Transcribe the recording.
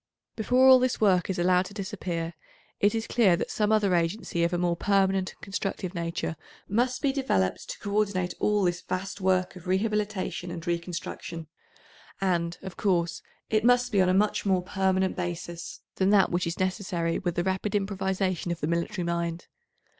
Before all this work is allowed to disappear it is clear that some other agency of a more permanent and constructive nature must be developed to co ordinate all this vast work of rehabilitation and reconstruction, and, of course, it must be on a much more permanent basis than that which is necessary with the rapid improvisation of the military mind.